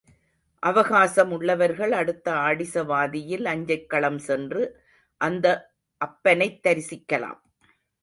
அவகாசம் உள்ளவர்கள் அடுத்த ஆடிசவாதியில் அஞ்சைக்களம் சென்று அந்த அப்பனைத் தரிசிக்கலாம்.